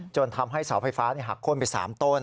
จนทำให้เสาไฟฟ้าหักโค้นไป๓ต้น